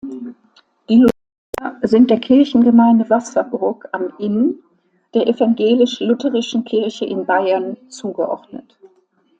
Die Lutheraner sind der Kirchengemeinde Wasserburg am Inn der Evangelisch-Lutherischen Kirche in Bayern zugeordnet.